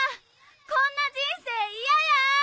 こんな人生嫌や！